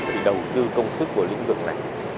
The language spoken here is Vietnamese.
phải đầu tư công sức của lĩnh vực này